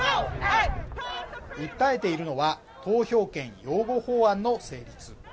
訴えているのは投票権擁護法案の成立